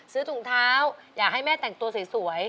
ถุงเท้าอยากให้แม่แต่งตัวสวย